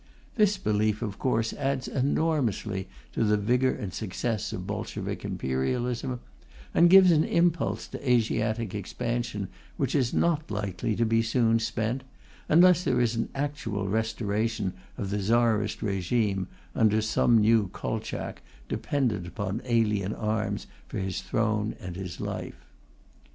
This belief, of course, adds enormously to the vigour and success of Bolshevik imperialism, and gives an impulse to Asiatic expansion which is not likely to be soon spent, unless there is an actual restoration of the Tsarist régime under some new Kolchak dependent upon alien arms for his throne and his life.